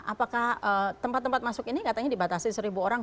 apakah tempat tempat masuk ini katanya dibatasi seribu orang